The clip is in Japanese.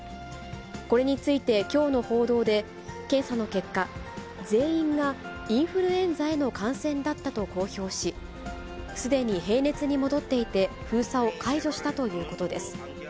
これについてきょうの報道で、検査の結果、全員がインフルエンザへの感染だったと公表し、すでに平熱に戻っていて、封鎖を解除したということです。